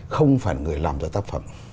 không phải người làm ra tác phẩm